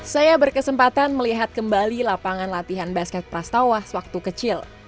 saya berkesempatan melihat kembali lapangan latihan basket prastawa sewaktu kecil